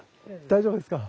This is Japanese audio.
大丈夫ですか？